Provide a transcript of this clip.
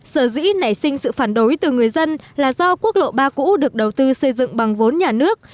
sở dĩ nảy sinh sự phản đối từ người dân là do quốc lộ ba cũ được đầu tư xây dựng bằng vốn nhà nước